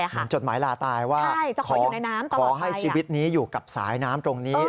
เหมือนจดหมายลาตายว่าขอให้ชีวิตนี้อยู่กับสายน้ำตรงนี้